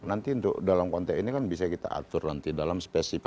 nanti dalam konteks ini kan bisa kita atur nanti dalam spesifik